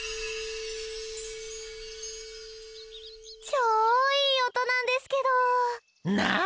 超いい音なんですけど。なあ？